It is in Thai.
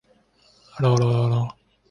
เดจาวู คือทาเลนท์ของ อะไรนะ